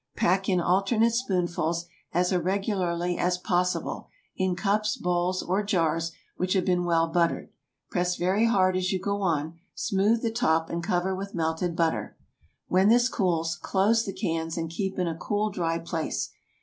Pack in alternate spoonfuls, as irregularly as possible, in cups, bowls, or jars, which have been well buttered. Press very hard as you go on, smooth the top, and cover with melted butter. When this cools, close the cans, and keep in a cool, dry place.